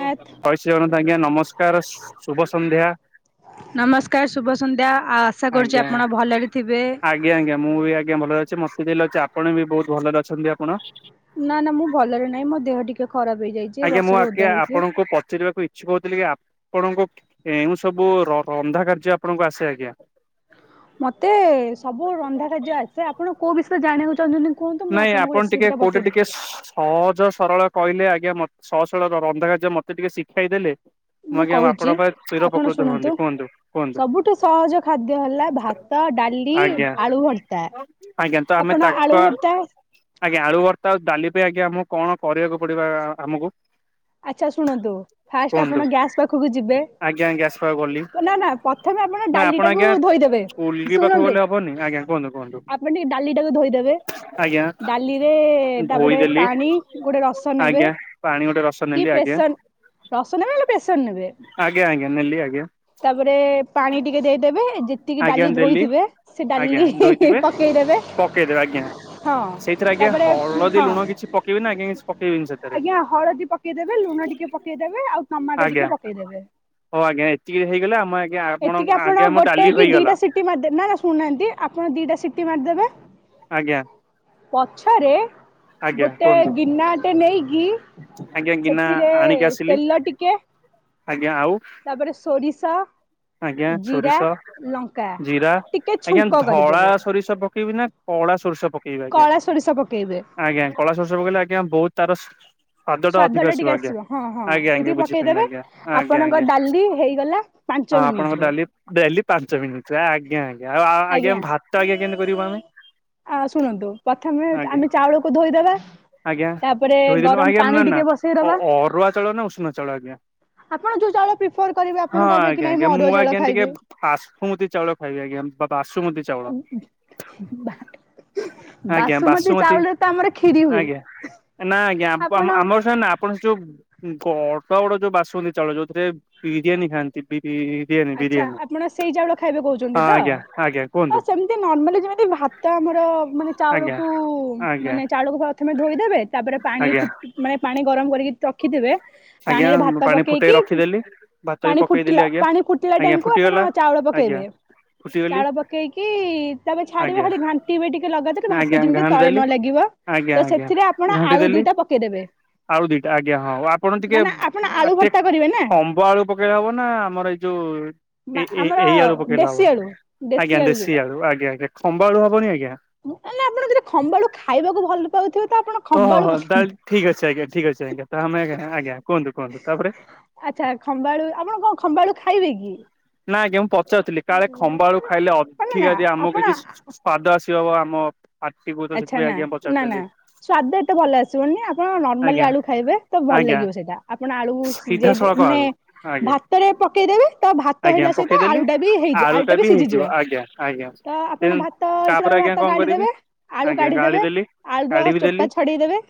ନାଥ ଜୟଶ୍ରୀ ଜଗନ୍ନାଥ ଆଜ୍ଞା, ନମସ୍କାର ଶୁଭ ସନ୍ଧ୍ୟା। ନମସ୍କାର୍ ଶୁଭ ସନ୍ଧ୍ୟା, ଆଉ ଆଶା କରୁଚି ଆପଣ ଭଲରେ ଥିବେ। ଆଜ୍ଞା-ଆଜ୍ଞା ମୁଁ ବି ଆଜ୍ଞା ଭଲରେ ଅଛି [inaudible] ଆପଣ ବି ବହୁତ୍ ଭଲରେ ଅଛନ୍ତି ଆପଣ। ନା-ନା ମୁଁ ଭଲରେ ନାହିଁ, ମୋ ଦେହ ଟିକେ ଖରାପ ହେଇଯାଇ ଆଜ୍ଞା, ମୁଁ ଆଜ୍ଞ ଆପଣଙ୍କୁ ପଚାରିବାକୁ ଇ କିଛି କହୁଥିଲି କି ଆପଣଙ୍କ କେଉଁ ସବୁ ରନ୍ଧା କାର୍ଯ୍ୟ ଆପଣଙ୍କୁ ଆସେ ଆଜ୍ଞା? ମତେ ସବୁ ରନ୍ଧା କାଯ୍ୟ ଆ ସେ, ଆପଣ କୋଉ ବିଷୟରେ ଜାଣିବାକୁ ଚାହୁଁଚନ୍ତି କୁହନ୍ତୁ, ମୁଁ ନାଇଁ ଆପଣଙ୍କୁ ଆପଣ ଟିକେ ରେସିପି ଟା କୋଉଟା ଟିକେ ବତେଇଦବି। ସହଜ ସରଳ କହିଲେ ଆଜ୍ଞା ସହ ସଳ ରନ୍ଧ କାର୍ଯ୍ୟ ମତେ ଟିକେ ଶିଖାଇଦେଲେ ମୁଁ କହୁଚି ଆପଣ ହୁଅନ୍ତି ଶୁଣନ୍ତୁ, କୁହନ୍ତୁ କୁହନ୍ତୁ ସବୁଠୁ ସହଜ ଖାଦ୍ୟ ହେଲା ଭା ତ, ଡାଲି, ଆଜ୍ଞା ଆଳୁ ଭର୍ତା। ଆଜ୍ଞା ତ ଆମେ ତାଙ୍କ ଆଜ୍ଞା ଆଳୁ ଭର୍ତା ଆଉ ଡାଲି ପାଇଁ ଆଜ୍ଞା ଆମକୁ କଣ କରିବାକୁ ପଡିବ ଆମକୁ। [unintelligible] ଆଚ୍ଛା ଶୁଣନ୍ତୁ ଫାଷ୍ଟ କୁହନ୍ତୁ? ଆପଣ ଗ୍ୟାସ୍ ପାଖକୁ ଯିବେ। ଆଜ୍ଞା ଆଜ୍ଞା ଆସି ପାଖକୁ ଗଲି ନା-ନା ପ୍ରଥମେ ଆପଣ ନା ଡାଲି ଟାକୁ ଆଜ୍ଞା ଧୋଇଦେବେ ଶୁଣନ୍ତୁ କୁହନ୍ତୁ-କୁହନ୍ତୁ। ଆପଣ ଟିକେ ଡାଲି ଟାକୁ ଧୋଇଦେବେ। ଡାଲିରେ ତାପରେ ଧୋଇଦେଲି ପାଣି ଗୋଟେ ରସ ନେବେ ଆଜ୍ଞା ପାଣି ଗୋଟେ ରସ କି ନେଲି ଆଜ୍ଞା ପ୍ରେସର୍ ରସ ନେବେ ହେଲେ ପ୍ରେସର୍ ନେବେ। ଆଜ୍ଞା-ଆଜ୍ଞା ନେଲି ଆଜ୍ଞା। ତାପରେ ପାଣି ଟିକେ ଦେଇଦେବେ ଯେ ତିକି ଆଜ୍ଞା ଡାଲି ଦେଲି ଧୋଇଥିବେ ସେ ଆଜ୍ଞା ଡାଲି ହି-ହି ଧୋଇଥିବେ ପକେଇଦବେ। ପକେଇଦେବେ ଆଜ୍ଞା ହଁ ସେଇଥିରେ ଆଜ୍ଞା ତାପରେ ହଳଦୀ ହଁ ଲୁଣ କିଛି ପକେଇବେନି ଆଜ୍ଞା କିଛି ପକେଇବିନି ସାର୍। ଆଜ୍ଞା ହଳଦୀ ପକେଇଦେବେ, ଲୁଣ ଟିକେ ପକେଇଦେବେ, ଆଉ ଟମାଟୋ ଆଜ୍ଞା ଟିକେ ପକେଇଦେବେ। ହଉ ଆଜ୍ଞା ଏତିକି ହେଇଗଲେ ଆମ ଆଜ୍ଞା ଆପଣ ଆଜ୍ଞା ଆମ ଡା ଟାଏ କି ଦିଟା ସିଟି ମାରିଦବେ, ନା-ନା ଶୁନାହାନ୍ତି ଆପଣ ଦିଟା ସିଟି ମାରିଦେବେ ଆଜ୍ଞା। ପଛରେ ଆଜ୍ଞା ଗୋଟେ କୁହନ୍ତୁ ଗିନାଟେ ନେଇକି ଆଜ୍ଞା ଗିନା ସେଥିରେ ଆଣିକି ଆସିଲି ତେଲ ଟିକେ ଆଜ୍ଞା ଆଉ? ତାପରେ ସୋରିଷ ଆଜ୍ଞା ଜିରା ସୋରିଷ ଲଙ୍କା ଜିରା ଟିକେ ଆଜ୍ଞା ଛୁଙ୍କ ଧଳା କରିଦେବେ ସୋରିଷ ପକେଇବି ନା କଳା ସୋରିଷ ପ କଳା ସୋରିଷ ପକେଇବେ। ଆଜ୍ଞା କଳା ସୋରିଷ ପକେଇଲେ ଆଜ୍ଞା ବହୁତ ତାର ସ ସ୍ଵାଦଟା ସ୍ଵାଦ ଅଧିକ ଟା ଟିକେ ଆସିବ ଆଜ୍ଞା ହଁ ହଁ ଆଜ୍ଞା ସେତିକି ଆଜ୍ଞା ବୁଝିପାରିଲି ପକେଇଦେବେ ଆଜ୍ଞା ଆଜ୍ଞା ଆପଣଙ୍କ ଆଜ୍ଞା। ଡାଲି ହେଇଗଲା ପାଞ୍ଚ ହଁ ମିନିଟ ଆପଣଙ୍କ ରେ ଡ଼ାଲି ଡ଼ାଲି ପାଞ୍ଚ ମିନିଟରେ ଆଜ୍ଞା ଆଜ୍ଞା। ଆଉ ଆଜ୍ଞା ଭାତ ଆଜ୍ଞା କେମିତିି କରିବୁ ଆମେ? ଆ ଶୁଣନ୍ତୁ ପ୍ରଥମେ ଆଜ୍ଞା ଆମେ ଚାଉଳକୁ ଧୋଇଦବା। ତାପରେ ଗରମ ପାଣି କେମ ନା ଟିକେ ଅ ବସେଇଦବା ଅରୁଆ ଚାଉଳ ନା ଉଷୁନା ନା ଚାଉଳ ଆଜ୍ଞା। ଆପଣ ଯୋଉ ଚାଉଳ ପ୍ରିଫର କରିବେ ହଁ ଆପଣ କହିବେ କି ଆଜ୍ଞା ନାଇଁ ଆଜ୍ଞା ଅରୁଆ ମୁଁ ଚାଉଳ ଆଜ୍ଞା ଟିକେ ଖାଇବି ବାସୁମତୀ ଚାଉଳ ଖାଇବି ଆଜ୍ଞା ବା ବାସୁମତୀ ଚାଉଳ। ବାସୁମତୀ ଚାଉଳରେ ତ ଆମର କ୍ଷିରି ହୁଏ। ଆଜ୍ଞା ନା ଆଜ୍ଞା ଆ ଆପଣ ଆମର ସେନା ଆପ ଆପଣ ଯୋଉ ବଡ଼ ବଡ଼ ଯୋଉ ବାସୁମତି ଚାଉଳ ଯୋଉଥିରେ ବିରିୟାନୀ ଖାଆନ୍ତି ବିରି ଆଚ୍ଛା ଆପଣ ସେଇ ଚାଉଳ ଖାଇବେ ହଁ କହୁଚନ୍ତି ତ? ଆଜ୍ଞା ଆଜ୍ଞା ହଁ କୁହନ୍ତୁ ସେମିତି ନର୍ମାଲି ଯେମିତି ଭାତ ଆମର ମାନେ ଆଜ୍ଞା ଚାଉଳକୁ ଆଜ୍ଞା ମାନେ ଚାଉଳକୁ ପ୍ରଥମେ ଧୋଇଦେବେ ତାପରେ ପାଣି ଆଜ୍ଞା ଫୁଟି ମାନେ ପାଣି ଗରମ କରିକି ରଖିଥିବେ ଆଜ୍ଞା ପାଣିରେ ଭାତ ମୁଁ ପାଣି ଫୁଟେଇ ପକେଇକି ରଖିଦେଲି ଭାତ ବି ପାଣି ପକେଇଦେଲି ଫୁଟିଲା ଆଜ୍ଞା ପାଣି ଫୁଟି ଲା ଆଜ୍ଞା ଟାଇମ୍ କୁ ଫୁଟିଗଲା ଆପଣ ଚାଉଳ ଆଜ୍ଞା ପକେଇବେ ଫୁଟିଗଲି ଚାଉଳ ପକେଇକି ତାପରେ ଛାଡ଼ିବେ ଆଜ୍ଞା ଖାଲି ଘାଣ୍ଟିବେ ଟିକେ ଲଗା ତର ଆଜ୍ଞା ଭାତ ଯେମିତି ଘାଣ୍ଟି ତଳେ ଦେଲି ନ ଲାଗିବ। ଆଜ୍ଞା ତ ଆଜ୍ଞା ସେଥିରେ ଆପଣ ଘାଣ୍ଟି ଆଳୁ ଦେଲି ଦିଟା ପକେଇଦେବେ। ଆଳୁ ଦିଟା ଆଜ୍ଞା ହଁ ଆପଣ ଟିକେ କାହିଁକିନା ଆପଣ ଆଳୁ ଟିକେ ଭର୍ତ୍ତା କରିବେ ନା ଖମ୍ବ ଆଳୁ ପକେଇ ହବ ନା ଆମର ଏଇ ଯୋଉ ଏଇ ଏ ଆମର ଏଇ ଆଳୁ ପକେଇଲେ ଦେଶୀ ହବ ଆଳୁ ଆଜ୍ଞା ଦେଶୀ ଯୋଉଟା ଆଳୁ ଆଜ୍ଞା ଆଜ୍ଞା ଖମ୍ବା ଆଳୁ ହବନି ଆଜ୍ଞା? ମୁଁ କହିଲି ଆପଣ ଯଦି ଖମ୍ବ ଆଳୁ ଖାଇବାକୁ ଭଲ ପାଉଥିବେ ତ ଆପଣ ଖମ୍ବାଳୁ ଓହୋ ପକେଇଦେବେ। ତାହାଲେ ଠିକ୍ ଅଛି ଆଜ୍ଞା ଠିକ୍ ଅଛି ଆଜ୍ଞା ତ ଆଜ୍ଞା କୁହନ୍ତୁ କୁହନ୍ତୁ ତାପରେ। ଆଚ୍ଛା ଖମ୍ବ ଆଳୁ ଆପଣ କଣ ଖମ୍ବା ଆଳୁ ଖାଇବେକି? ନା ଆଜ୍ଞା ମୁଁ ପଚାରୁଥିଲି କାଳେ ଖମ୍ବଆଳୁ ଖାଇଲେ ମାନେ ଅଧିକା ନା ଯଦି ଆମକୁ ଆପଣ କିଛି ସ୍ଵାଦ ଆସି ହବ ଆମ ପାଟିକୁ ତ ଆଚ୍ଛା ସେଥିପାଇଁ ନା ଆଜ୍ଞା ନା ନା ପଚାରୁଥିଲି ସ୍ଵାଦ ଏତେ ଭଲ ଆସିବନି ଆପଣ ନର୍ମାଲି ଆଜ୍ଞା ଆଳୁ ଖାଇବେ। ତ ଭଲ ଆଜ୍ଞା ଲାଗିବ ସେଇଟା ଆପଣ ଆଳୁ ସିଝେଇ ଦେ ସିଧାସଳଖ ମାନେ ଆଳୁ ଆଜ୍ଞା ଭାତରେ ପକେଇଦେବେ ତ ଭାତ ଆଜ୍ଞା ହେଲା ସହିତ ପକେଇଦେଲି ଆଳୁଟା ବି ହେଇଯିବ ଆଳୁ ଟା ଆଳୁଟା ବି ହେଇଯିବ ସିଝିଯିବ ଆଜ୍ଞା ଆଜ୍ଞା ତ ଆପଣ ତେଣୁ ଭାତ ତ ହେଇସାରିଲା ତାପରେ ବେଳେ ଆଜ୍ଞା ଭାତ କଣ କରିବି ଗାଳିଦେବେ ଆଳୁ ଆଜ୍ଞା ଗାଳି କାଢିଦେବେ ଦେଲି ଆଳୁର ଚୋପା ଛଡେଇଦେବେ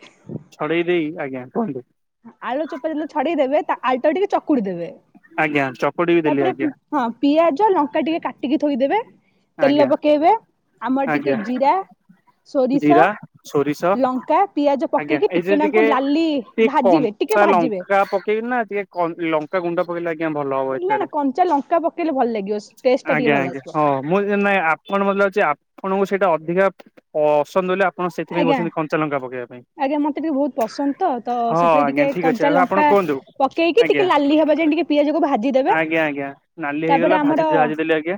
ଛଡ଼େଇ ଦେଇକି ଆଜ୍ଞା କୁହନ୍ତୁ? ଆଳୁ ଚୋପା ଯେତେଳେ ଛଡ଼େଇଦେବେ ତା ଆଳୁଟାକୁ ଟିକେ ଚକୁଡ଼ି ଦେବେ। ଆଜ୍ଞା ଚକୁଡ଼ି ବି ଦେଲି ତାପରେ ଆଜ୍ଞା। ହଁ ପିଆଜ ଲଙ୍କା ଟିକେ କାଟିକି ଥୋଇଦେବେ। ତେଲ ଆଜ୍ଞା ପକେଇବେ ଆମର ଟିକେ ଆଜ୍ଞା ଜିରା ସୋରିଷ ଜିରା ସୋରିଷ ଲଙ୍କା ପିଆଜ ଆଜ୍ଞା ପକେଇକି ଏଇ ଯୋଉ ନାକୁ ଟିକେ ଲାଲି ଭାଜିବେ ଟିକେ କଞ୍ଚା ଭାଜିବେ ଲଙ୍କା ପକେଇବିନା ଟିକେ କ ଲଙ୍କା ଗୁଣ୍ଡ ପକେଇଲେ ଆଜ୍ଞା ଭଲ ହବ ନା ନା ଏଥିରେ। କଞ୍ଚା ଲଙ୍କା ପକେଇଲେ ଭଲ ଲାଗିବ ଟେଷ୍ଟେଟା ଟିକେ ଆଜ୍ଞା ଭଲ ଆଜ୍ଞା ଆସିବ। ହଁ ମୁଁ ନାଇଁ ଆପଣ ମତେ ଅଛି ଆପଣଙ୍କୁ ସେଇଟା ଅଧିକା ପସନ୍ଦ ବୋଲି ଆପ ପ ଆଜ୍ଞା ଆଜ୍ଞା ମତେ ଟିକେ ବହୁତ ପସନ୍ଦ ତ ତ ହଁ ସେଥିରେ ଆଜ୍ଞା ଟିକେ ଠିକ ଅଛି କଞ୍ଚା ଆଉ ଆପଣ ଲଙ୍କା କୁହନ୍ତୁ ପକେଇକି ଆଜ୍ଞା ଟିକେ ଲାଲି ହବା ଯାଏ ଟିକେ ପିଆଜକୁ ଭାଜିଦେବେ ଆଜ୍ଞା ଆଜ୍ଞା ନାଲି ହେଇଗଲା ତାପରେ ଭାଜି ଆମର ଭାଜିଦେଲି ଆଜ୍ଞା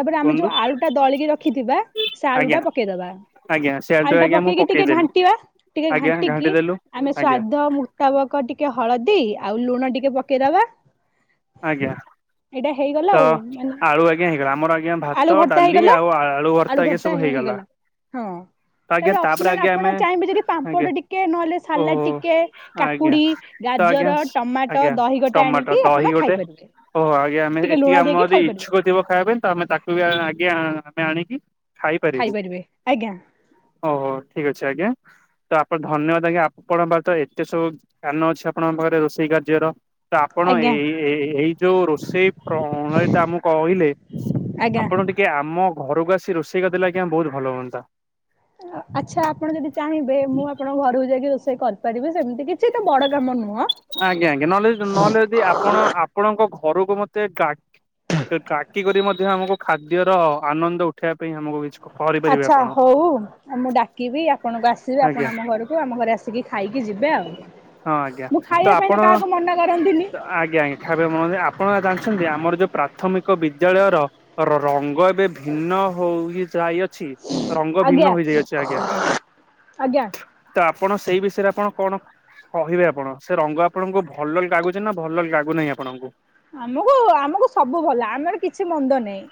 ତାପରେ ଆମେ କୁହନ୍ତୁ ଯୋଉ ଆଳୁ ଟା ଦଳିକି ରଖିଥିବା ସେ ଆଳୁ ଆଜ୍ଞା ଟା ପକେଇଦବା। ଆଜ୍ଞା। ସେଆଡୁ ଆଳୁଟା ଆଜ୍ଞା ମୁଁ ପକେଇକି ଟିକେ ପକେଇଦେଲି ଘାଣ୍ଟିବା ଟିକେ ଆଜ୍ଞା ଘାଣ୍ଟି ଘାଣ୍ଟିକି ଦେଲୁ ଆମେ ଆଜ୍ଞା ସ୍ଵାଦ ତା ବକ ଟିକେ ହଳଦୀ ଆଉ ଲୁଣ ଟିକେ ପକେଇଦବା ଆଜ୍ଞା। ଏଇଟା ହେଇଗଲା ତ ଆଉ ମାନେ ଆଳୁ ଆଜ୍ଞା ହେଇଗଲା ଆମର ଆଜ୍ଞା ଭାତ ଆଳୁ ଭର୍ତ୍ତା ଡାଲି ହେଇଗଲା ଆଉ ଭର୍ତ୍ତା ଆଳୁ ଆଜ୍ଞା ଭର୍ ତା ସବୁ ହେଇଗଲା ହଁ। ତ ଆଜ୍ଞା ତାପରେ ଅପସନାଲି ଆଜ୍ଞା ଆପଣ ଆମେ ଚାହିଁବେ ଯଦି ଆଜ୍ଞା ପାମ୍ପଡ଼ ଟିକେ ନହେଲେ ଓହୋ ସାଲାଡ ଟିକେ ଆଜ୍ଞା କାକୁଡି ତ ଆଜ୍ଞା ଗାଜର ଟମାଟୋ ଆଜ୍ଞା ଦହି ଗୋଟେ ଟମାଟୋ ଆଣିକି ଦହି ଆପଣ ଗୋଟେ ଖାଇପାରିବେ। ଓହୋ ଆଜ୍ଞା ଆମେ ଟିକେ ଏତିକି ଲୁଣ ଆମର ଦେଇକି ଯଦି ଖାଇପାରିବେ ଇଚ୍ଛୁକ ଥିବ ଖାଇବା ପାଇଁ ତ ଆମେ ତାକୁ ବି ଆଜ୍ଞା ଆମେ ଆଣିକି ଖାଇପାରିବୁ ଖାଇପାରିବେ ଆଜ୍ଞା ଓହୋ ଠିକ ଅଛି ଆଜ୍ଞା ତ ଆପଣ ଧନ୍ୟବାଦ ଆଜ୍ଞା ଆପଣଙ୍କ ପା ତ ଏତେ ସବୁ କାନ ଅଛି ଆପଣଙ୍କ ପାଖରେ ରୋଷେଇ କାର୍ଯ୍ୟର। ତ ଆପଣ ଆଜ୍ଞା ଏଇ ଏ-ଏ -ଏ ଏଇ ଯୋଉ ରୋଷେଇ ପ୍ରଣାଳୀ ତ ଆମକୁ କହିଲେ ଆଜ୍ଞା। ଆପଣ ଟି କି ଆମ ଘରକୁ ଆସି ରୋଷେଇ କ ଦେଲେ ଆଜ୍ଞା ବହୁତ ଭଲ ହୁଅନ୍ତା କେ ଆଚ୍ଛା ଆପଣ ଯଦି ଚାହିଁବେ ମୁଁ ଆପଣଙ୍କ ଘରକୁ ଯାଇକି ରୋଷେଇ କରିି କରିବି ସେମିତି କିଛି ତ ବଡ କାମ ନୁହଁ। ଆଜ୍ଞା ଆଜ୍ଞା ନହେଲେ ନହେଲେ ଯଦି ଆପଣ ଆପଣଙ୍କ ଘରକୁ ମତେ ଗା ଟାକି କରି ମଧ୍ୟ ଆମକୁ ଖାଦ୍ୟର ଆନନ୍ଦ ଉଠେଇବା ପାଇଁ ଆମକୁ କିଛି କରିପାରିବେ ଆଚ୍ଛା ଆପଣ ହଉ ଆଉ ମୁଁ ଡାକିବି ଆପଣଙ୍କୁ ଆସିବେ ଆଜ୍ଞା ଆପଣ ଆମ ଘରକୁ। ହଉ ଆମ ଘରେ ଆସିକି ଖାଇକି ଯିବେ ଆଉ। ହଁ ଆଜ୍ଞା ମୁଁ ତ ଖାଇବା ପାଇଁ ଆପଣ କାହାକୁ ମନା କରନ୍ତିନି ଆଜ୍ଞା ଆଜ୍ଞା। ଖାଇବା [unintelligible] ଆପଣ ଜାଣିଛନ୍ତି ଆମର ଯୋଉ ପ୍ରାଥମିକ ବିଦ୍ୟାଳୟର ରଙ୍ଗ ଏବେ ଭିନ୍ନ ହୋଇ ଯାଇଅଛି। ରଙ୍ଗ ଆଜ୍ଞା ଭିନ୍ନ ହେଇଯାଇଅଛି ଆଜ୍ଞା ଆଜ୍ଞା। ତ ଆପଣ ସେଇ ବିଷୟରେ ଆପଣ କଣ କହିବେ ଆପଣ ସେ ରଙ୍ଗ ଆପଣଙ୍କୁ ଭଲ ଲାଗୁଚି ନା ଭଲ ଲାଗୁନାହିଁ ଆପଣଙ୍କୁ। ଆମକୁ ଆମକୁ ସବୁ ଭଲ ଆମର କିଛି ମନ୍ଦ ନାଇଁ।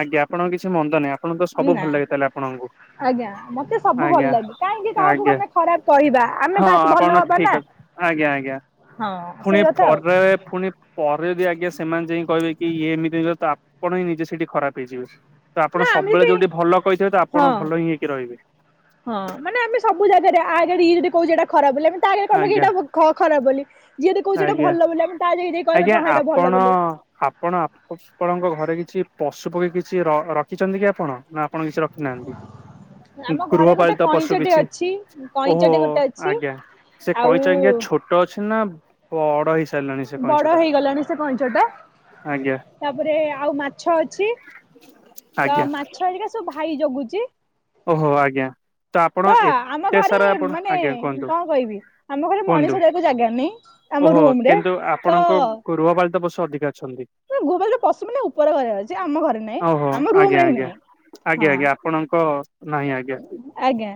ଆଜ୍ଞା ଆପଣଙ୍କ କିଛି ମନ୍ଦ ନାହିଁ ଆପଣଙ୍କୁ ତ ସବୁ ନା। ଭଲ ଲାଗେ ତାହାଲେ ଆପଣଙ୍କୁ। ଆଜ୍ଞା ମତେ ସବୁ ଭଲ ଆଜ୍ଞା ଲାଗେ କାହିଁକି କାହାକୁ ଆଜ୍ଞା। ଆମେ ଖରାପ କହିବା ଆମେ ହଁ ଫାଷ୍ଟ ଆପଣ ଭଲ ହବା ଠିକ ନା। ଅଛି ଆଜ୍ଞା ଆଜ୍ଞା ହଁ ପୁଣି ସେଇ କଥା ଆଉ ପରେ ପୁଣି ପରେ ଯଦି ଆଜ୍ଞା ସେମାନେ ଯାଇକି କହିବେ କି ଇଏ ଏମିତି [unintelligible] ତ ଆପଣ ହିଁ ନିଜେ ସେଇଠି ଖରାପ ହେଇଯିବେ। ତ ନା ଆପଣ ଆମେ ସବବେଳେ ଯଦି ଯୋଉଠି ଭଲ କହିଥିବେ ତ ହଁ ଆପଣ ଭଲ ହିଁ ହେଇକି ରହିବେ। ହଁ ମାନେ ଆମେ ସବୁ ଜାଗାରେ ଆଗରେ ଏ ଯଦି କହୁଛେ ଏଇଟା ଖରା ବୋଲି ଆମେ ତା ଆଗରେ କଇବା କି ଆଜ୍ଞା ଏଇଟା ଖ ଖରାପ ବୋଲି ଯିଏତ କହୁଛି ଏଇଟା ଆଜ୍ଞା। ଭଲ ବୋଲି ଆମେ ତା ଆଗେ ଯାଇ କହିବା ଆଜ୍ଞା କି ହଁ ଏଇଟା ଆପଣ ଭଲ ବୋଲି। ଆପଣ ଆପଣଙ୍କ ଘରେ କିଛି ପଶୁ ପକ୍ଷୀ କିଛି ର ରଖିଛନ୍ତି କି ଆପଣ ନା ଆପଣ କିଛି ରଖ୍ ନାହାନ୍ତି ଆମ ଘରେ ଗୋଟେ ଗୃହପାଳିତ ପଶୁ କଇଁଚଟେ କିଛି ଅଛି ଓହୋ କଇଁଚଟେ ଗୋଟେ ଅଛି। ଆଜ୍ଞା। ସେ ଆଉ କଇଛ ଏଖେନା ଛୋଟ ଅଛି ନା ବଡ ହେଇ ବଡ ହେଇଗଲାଣି ସେ କଇଁଚ ଟା। ଆଜ୍ଞା ତାପରେ ଆଉ ମାଛ ଅଛି ତ ଆଜ୍ଞା ମା ଛ ହେରିକା ସବୁ ଭାଇ ଜଗୁଚି। ଓହୋ ଆଜ୍ଞା। ତ ଆପଣ ଆମ ଏତେ ଘରେ ସାରା ଆପଣ ମାନେ ଆଜ୍ଞା କୁହନ୍ତୁ କଣ କହିବି ଆମ ଘରେ ମଣିଷ କୁହନ୍ତୁ। ରହିବାକୁ ଜାଗା ନାହିଁ ଆମ ଓହୋ ରୁମ ରେ କିନ୍ତୁ ତ ଆପଣଙ୍କ ଗୃହପାଳିତ ପଶୁ ଅଧିକା ଅଛନ୍ତି। ଗୁହପାଳିତ ପଶୁ ମାନେ ଉପର ଘରେ ଅଛି। ଆମ ଘରେ ନାହିଁ। ଓହୋ ଆମ ରୁମ ରେ ହିଁ ନାହିଁ ହଁ। କ ନାହିଁ ଆଜ୍ଞା। ଆଜ୍ଞା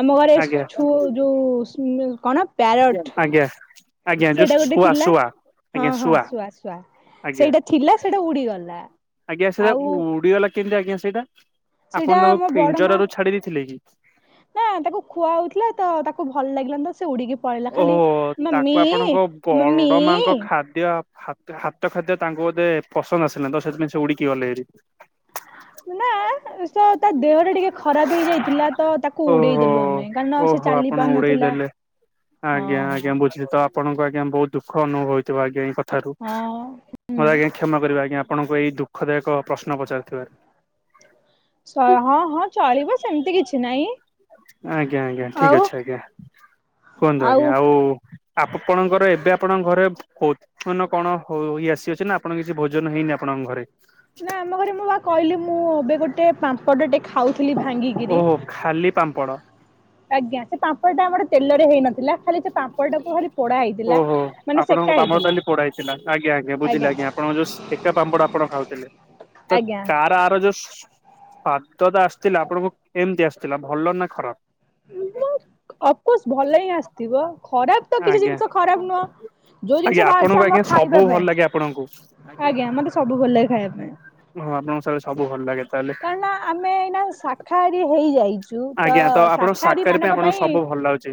ଆମ ଘରେ ଆଜ୍ଞା ଛୁ ଯୋଉ ସ୍ନୁଲ କଣ ପ୍ୟାରଟ ଆଜ୍ଞା ଆଜ୍ଞା ଯଉ ସେଇଟା ଗୋଟେ ଶୁଆ ଥିଲା ଶୁଆ। ହଁ ହଁ ଶୁଆ ଶୁଆ ଆଜ୍ଞା ସେଇଟା ଥିଲା ସେଇଟା ଉଡିଗଲା। ଆଜ୍ଞା ସେଇଟା ଆଉ ଉଡିଗଲା କେମିତି ଆଜ୍ଞା ସେଇଟା? ସେଇଟା ଆପଣ ତାଙ୍କୁ ମୋ ବଡ ମା ପିଞ୍ଜରାରୁ ଛାଡି ଦେଇଥିଲେ କି? ନା ତାକୁ ଖୁଆ ହଉଥିଲା ତ ତାକୁ ଭଲ ଲାଗିଲାନି ତ ସେ ଉଡିକି ପଳେଇଲା ଖାଲି ଓହୋ ତାକୁ ମମି ମମି ଖାଦ ହାତ ଖାଦ୍ୟ ତାଙ୍କୁ ବୋଧେ ପସନ୍ଦ ଆସିଲାନି ତ ସେଥିପାଇଁ ସେ ଉଡ଼ିକି ଗଲେ ହେରି। ନା। ସ ତା ଦେହଟା ଟିକେ ଖରାପ ହେଇଯାଇଥିଲା ତ ତାକୁ ଉଡେଇ ଓହୋ ଦେଲୁ ଆମେ କାରଣ ସେ ଓହୋ ଚାଲି ଆପଣ ଉଡେଇ ପାରୁନଥିଲା। ଦେଲେ। ହଁ ଆଜ୍ଞା ହଁ। ଆଜ୍ଞା ବୁଝିଲି ତ ଆପଣଙ୍କୁ ଆଜ୍ଞା ବହୁତ ଦୁଃଖ ଅନୁଭବ ହେଇଥିବ ଆଜ୍ଞା ଏଇ କଥାରୁ। ହଁ ହୁଁ ମତେ ଆଜ୍ଞା କ୍ଷମା କରିବା ଆଜ୍ଞା ଆପଣଙ୍କୁ ଏଇ ଦୁଖଦାୟକ ପ୍ରଶ୍ନ ପଚାରୁଥିବାରୁ। ସ ହଁ ହଁ ଚଳିବ ସେମିତି କିଛି ନାହିଁ। ଆଜ୍ଞା ଆଜ୍ଞା ଠିକ୍ ଆଉ। ଅଛି ଆଜ୍ଞା କୁହନ୍ତୁ ଆଜ୍ଞା ଆଉ ଆପଣଙ୍କର ଏବେ ଆପଣଙ୍କ ଘରେ- ଉତ୍ପନ କଣ ହୋଇ ଆସିଅଛି ନା ଆପଣ କିଛି ଭୋଜନ ହେଇନି ଆପଣଙ୍କ ଘରେ। ନା ଆମ ଘରେ ମୁଁ ବା କହିଲି ମୁଁ ଏବେ ଗୋଟେ ପାମ୍ପଡ଼ଟେ ଖାଉଥିଲି ଭାଙ୍ଗିକିରି। ଓହୋ ଖାଲି ପାମ୍ପଡ଼। ଆଜ୍ଞା ସେ ପାମ୍ପଡ଼ଟା ଆମର ତେଲରେ ହେଇନଥିଲା ଖାଲି ସେ ପାମ୍ପଡ଼ ଟାକୁ ଖାଲି ପୋଡା ହେଇଥିଲା। ଓହୋ। ମାନେ ଆପଣଙ୍କ ସେକା ପାମ୍ପଡ ହେଇଥିଲା ତାହାଲେ ପୋଡା ହେଇଥିଲା। ଆଜ୍ଞା ଆଜ୍ଞା ବୁଝିଲି ଆଜ୍ଞା ଆପଣଙ୍କ ଯୋଉ ଏକା ପାମ୍ପଡ ଆପଣ ଖାଉଥିଲେ। ତ ଆଜ୍ଞା କାର ଆର ଯୋସ୍- ହାତ ତ ଆସିଥିଲା ଆପଣଙ୍କୁ କେମତି ଆସିଥିଲା ଭଲ ନା ଖରାପ। ଅଫକୋସ୍ ଭଲ ହିଁ ଆସିଥିବ। ଖରାପ ତ କିଛି ଆଜ୍ଞା ଜିନିଷ ଖରାପ ନୁହଁ। ଯୋଉ ଆଜ୍ଞା ଜିନିଷ ବାହାରିଛି ଆପଣଙ୍କୁ ଆମ ଆଜ୍ଞା ସବୁ ଖାଇବା ଭଲ ପାଇଁ। ଲାଗେ ଆପଣଙ୍କୁ? ଆଜ୍ଞା ମତେ ସବୁ ଭଲ ଲାଗ ଖାଇବା ପାଇଁ। ହଁ ଆପଣଙ୍କୁ ସାଳେ ସବୁ ଭଲ ଲାଗେ ତାହେଲେ। କାରଣ ଆମେ ଏଇନା ଶାଖାହାରି ହେଇଯାଇଛୁ ତ ସା- ସାକାହାରୀ ପାଇଁ ଆପଣଙ୍କୁ ସବୁ ଭଲ ଲାଗୁଛି।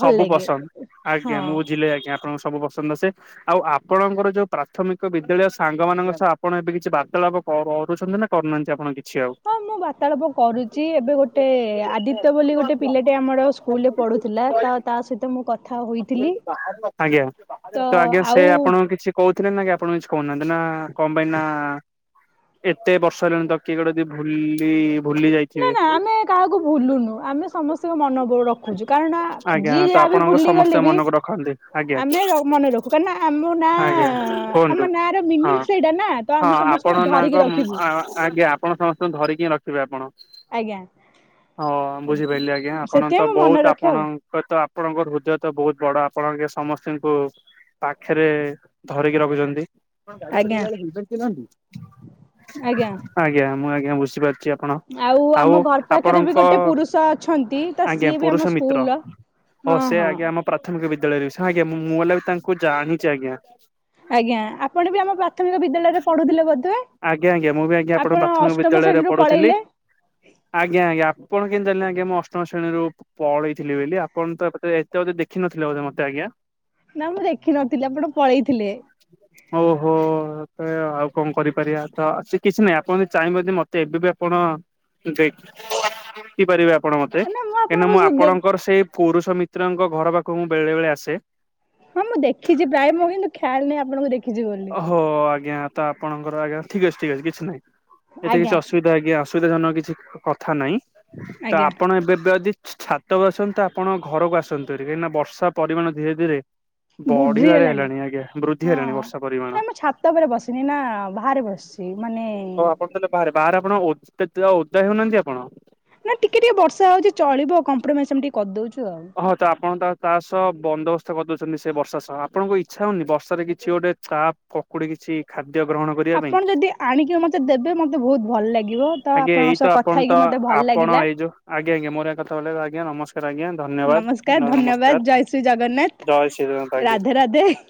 ଭଲ ସବୁ ଲାଗେ ପସନ୍ଦ। ଆଜ୍ଞା। ହଁ। ମୁଁ ବୁଝିଲି ଆଜ୍ଞା ଆପଣଙ୍କୁ ସବୁ ପସନ୍ଦ ଆସେ। ଆଉ ଆପଣଙ୍କର ଯୋଉ ପ୍ରାଥମିକ ବିଦ୍ୟାଳୟ ସାଙ୍ଗ ମାନଙ୍କ ସହ ଆପଣ ଏବେ କିଛି ବାର୍ତାଳାପ- ଓହ ଅନ୍ନଛତ୍ର ଟା କରୁନାହାନ୍ତି ଆପଣ କିଛି ଆଉ। ହଁ ମୁଁ ବାର୍ତ୍ତାଳପ କରୁଛି ଏବେ ଗୋଟେ। ଗୋଟେ ଆଦିତ୍ୟ ବୋଲି ଗୋଟେ ପିଲାଟେ ଆମର ସ୍କୁଲରେ ପଢୁଥିଲା ତ ତା ସହିତ ମୁଁକଥା- ଆଜ୍ଞା ତ ଆଜ୍ଞା ସେ ଆଉ ଆପଣଙ୍କ କିଛି- କହୁଥିଲେ ନା କି ଆପଣ କିଛି କହୁନାହାନ୍ତି ନା କଣ ପାଇଁ ନା। ଏତେ ବର୍ଷ ହେଲାଣି ତ କିଏ ଗୋଟେ ଯଦି ଭୁଲି- ନା ଯାଇଥିବେ ନା ଆମେ କାହାକୁ ଭୁଲୁନୁ। ଆମେ ସମସ୍ତଙ୍କୁ ମନ ରଖୁଛୁ କାରଣ ଆଜ୍ଞା ଯିଏ ତ ଯାହା ବି ଆପଣଙ୍କ ଭୁଲିଗଲେ- ସମସ୍ୟା ଲେବି ମନକୁ ରଖନ୍ତି ଆଜ୍ଞା ଆମେ ର ମନେ ରଖୁ କାରନା ଆମ ନା ଆଜ୍ଞା କୁହନ୍ତୁ। ଆମ ନା ର ହଁ ମିନିଙ୍ଗସ୍- ସେଇଟା ନା ତ ହଁ ଆମେ ଆପଣ ସମସ୍ତଙ୍କୁ ନାଙ୍କ ଧରିକି ରଖିବୁ। ଆଜ୍ଞା ଆପଣ ଧରିକି ହିଁ ରଖିବେ ଆପଣ। ଆଜ୍ଞା ହଁ ବୁଝିପାଇଲି ଆଜ୍ଞା ଆପଣ ତ ସେଥିପାଇଁ ମୁଁ ମନେ ବହୁତ ରଖେ ଆପଣ। ଆଉ ହୁଏତ ଆପଣଙ୍କର ହୃଦୟ ତ ବହୁତ ବଡ ଆପଣଙ୍କେ ସମସ୍ତଙ୍କୁ ପାଖରେ- ଧରିକି ରଖୁଛନ୍ତି। ଆପଣ ଗାଡି ଆଜ୍ଞା ଚଲେଇଲା ବେଳେ ହେଲମେଣ୍ଟ ପିନ୍ଧନ୍ତି? ଆଜ୍ଞା ଆଜ୍ଞା ମୁଁ ଆଜ୍ଞା ବୁଝିପାରୁଛି ଆ- ଆପଣ ଆମ ଆଉ ଘର ପାଖରେ ବି ଆପଣଙ୍କ ଗୋଟେ ପୁରୁଷ ଅଛନ୍ତି ତ ଆଜ୍ଞା ସିଏ ବି ଆମ ପୁରୁଷ ମିତ୍ର- ସ୍କୁଲର ଓ ହଁ ସେ ହଁ ଆଜ୍ଞା ଆମ ପ୍ରାଥମିକ ବିଦ୍ୟାଳୟରେ ଶା ଆଜ୍ଞା ମୁଁ ହେଲା ବି ତାଙ୍କୁ ଜାଣିଛି ଆଜ୍ଞା। ଆଜ୍ଞା, ଆପଣ ବି ଆମ ପ୍ରାଥମିକ ବିଦ୍ୟାଳୟରେ ପଢୁଥିଲେ ବୋଧେ? ଆଜ୍ଞା ଆଜ୍ଞା, ମୁଁ ବି ଆଜ୍ଞା ଆପଣ ପ୍ରାଥମିକ ଅଷ୍ଟମ ବିଦ୍ୟାଳୟରେ ଶ୍ରେଣୀରୁ ପଢୁଥିଲି। ପଳେଇଲେ ଆଜ୍ଞା ଆଜ୍ଞା, ଆପଣ କେମିତି ଜାଣିଲେ ଆଞା ମୁଁ ଅଷ୍ଟମ ଶ୍ରେଣୀରୁ ପଳେଇଥିଲି ବୋଲି ଆପଣ ତ ଏ ଏତେ ବୋଧେ ଦେଖିନଥିଲେ ବୋଧ ମତେ ଆଜ୍ଞା? ନା ମୁଁ ଦେଖିିନଥିଲି, ଆପଣ ପଳେଇଥିଲେ। ଓଉ ହୋ। ଆଉ କଣ କରିପାରିବା ତ ସେ କିଛି ନାହିଁ ଆପଣ ଯଦି ଚାହିଁବେ ମତେ ଏବେ ବି ଆପଣ [inaudible] ପାରିବେ ଆପଣ ମତେ, ନା କାହିଁନା ଆପଣଙ୍କୁ ମୁଁ ସୁ ଦେ ଆପଣଙ୍କର ସେଇ ପୁରୁଷ ମିତ୍ରଙ୍କ ଘର ପାଖକୁ ମୁ ବେଳେ ବେଳେ ଆସେ। ହଁ ମୁଁ ଦେଖିଛି ପ୍ରାୟ ମୁଁ କିନ୍ତୁ ଖ୍ୟାଲ ନାହିଁ ଆପଣଙ୍କୁ ଦେଖିଛି ବୋଲି। ହୋଉ ହୋଉ, ଆଜ୍ଞା ତ ଆପଣଙ୍କର ଆଜ୍ଞା ଠିକ୍ ଅଛି ଠିକ ଅଛି କିଛି ନାହିଁ, ଏତେ କିଛି ଆଜ୍ଞା ଅସ ଆଜ୍ଞା ଅସୁବିଧା ଜନକ କିଛି କଥା ନାହିଁ ତ ଆଜ୍ଞା ଆପଣ ଏବେ ବେଯଦି ଛାତକୁ ଆସନ୍ତୁ ଆପଣ ଘରକୁ ଆସନ୍ତୁ [unintelligible] ନା ବର୍ଷା ପରିମାଣ ଧୀରେ ଧୀରେ ବଢିବାରେ ହେଲାଣି, ଆଜ୍ଞା ବୃଦ୍ଧି ହେଲାଣି ବର୍ଷ ନାଇ ମୁଁ ଛାତ ଉପରେ ବସିନି ନା ବାହାରେ ବସିଛି, ମାନେ ଓ ଆପଣ ତାହେଲେ ବାହାରେ ବାହାରେ ଆପଣ [unintelligible] ଓଦା ହେଉନାହାନ୍ତି ଆପଣ? ନା ଟିକେ ଟିକେ ବର୍ଷା ହଉଛି ଚଳିବ, କମ୍ପ୍ରୋମାଇଜ ଆମେ ଟିକେ କରିଦଉଛୁ ଆଉ। ହଁ ତ ଆପଣ ତା ତା ସହ ବନ୍ଦୋବସ୍ତ କରିଦଉଛନ୍ତି ସେ ବର୍ଷା ସହ, ଆପଣଙ୍କୁ ଇଚ୍ଛା ହଉନି ବର୍ଷାରେ କିଛି ଗୋଟେ ଚାପ ପକୁଡି କିଛି ଖାଦ୍ୟ ଗ୍ରହଣ କରି ଆପଣ ଯଦି ଆଣିକି ମତେ ଦେବେ ମତେ ବହୁତ ଭଲ ଲାଗିବ, ତ ଆଜ୍ଞା ଏଇ ଆପଣଙ୍କ ତ ସହ ଆପଣ କଥା ତ ହେଇକି ମତେ ଭଲ ଆପଣ ଲାଗିଲା। ଏଇ ଯୋଉ ଆଜ୍ଞା ଆଜ୍ଞା [unintelligible] ନମସ୍କାର ଆଜ୍ଞା। ଧନ୍ୟବାଦ, ନମସ୍କାର ଧନ୍ୟବାଦ ନମସ୍କାର, ଜୟ ଶ୍ରୀ ଜଗନ୍ନାଥ ଜୟ ଶ୍ରୀ। ରାଧେ [unintelligible] ରାଧେ।